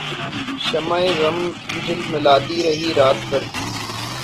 شمع غم جھلملاتی رہی رات بھر